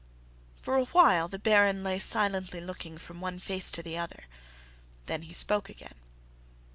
For a while the Baron lay silently looking from one face to the other, then he spoke again.